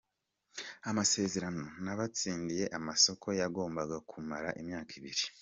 Amasezerano n’abatsindiye amasoko yagombaga kumara imyaka ibiri.